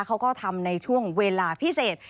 เขาก็ทำในช่วงเวลาพิเศษ